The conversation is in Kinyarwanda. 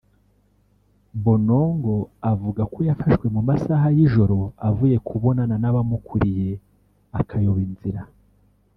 Bonongo avuga ko yafashwe mu masaha y’ijoro avuye kubonana n’abamukuriye akayoba inzira